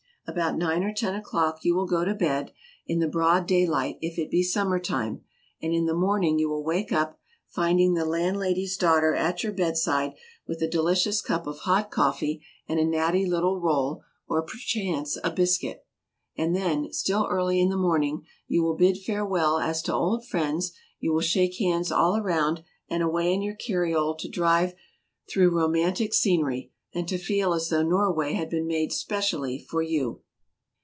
About nine or ten o'clock you will go to bed, in the broad daylight if it be summer time, and in the morning you will wake up, finding the landlady's daughter at your bedside, with a delicious cup of hot coffee and a natty little roll, or perchance a biscuit. And then, still early in the morning, you will bid farewell as to old friends, you will shake hands all round, and away in your carriole to drive through romantic scenery, and to feel as though Norway had been made specially for you.